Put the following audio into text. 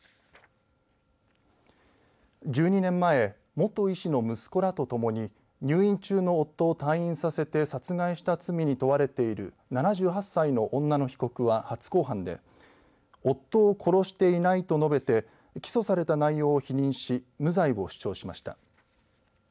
１２年前元医師の息子らと共に入院中の夫を退院させて殺害した罪に問われている７８歳の女の被告は初公判で夫を殺していないと述べて起訴された内容を否認し無罪を主張しました。